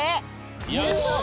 よし！